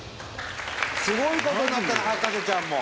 すごい事になったな『博士ちゃん』も。